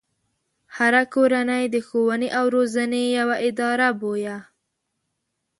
هره کورنۍ د ښوونې او روزنې يوه اداره بويه.